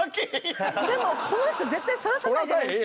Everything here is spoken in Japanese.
でも、この人、絶対そらさないじゃないですか。